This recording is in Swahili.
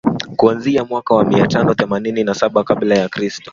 kuanzia mwaka wa mia tano themanini na saba kabla ya kristo